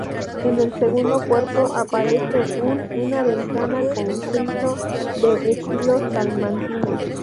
En el segundo cuerpo aparece un una ventana con friso de estilo salmantino.